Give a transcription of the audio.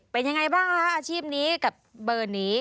เป็นยังไงบ้างคะอาชีพนี้กับเบอร์นี้